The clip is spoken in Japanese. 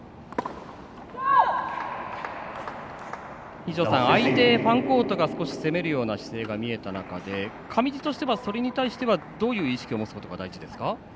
二條さん、相手のファンコートに少し攻める姿勢が見えた中で、上地としてはそれに対して、どういう意識を持つことが大事ですか。